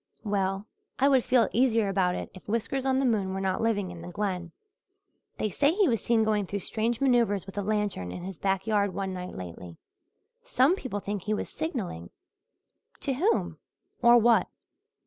"Well, I would feel easier about it if Whiskers on the moon were not living in the Glen. They say he was seen going through strange manoeuvres with a lantern in his back yard one night lately. Some people think he was signalling." "To whom or what?"